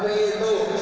oleh hal seperti itu